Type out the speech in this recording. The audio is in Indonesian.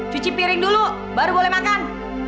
cuci piring dulu baru boleh makan